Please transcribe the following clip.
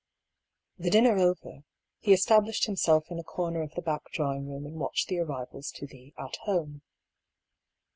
The dinner over, he established himself in a corner of the back drawing room and watched the arrivals to the " At Home."